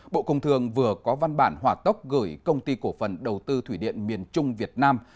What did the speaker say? bộ công thường vừa có văn bản hỏa tốc gửi công ty cổ phần đầu tư thủy điện miền trung việt nam